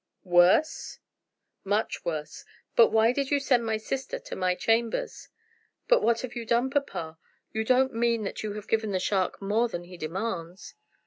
"Worse?" "Much worse. But why did you send my sister to my chambers?" "But what have you done, papa? You don't mean that you have given the shark more than he demands?"